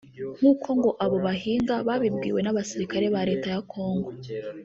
nk'uko ngo abo bahinga babibwiwe n'abasirikare ba leta ya Congo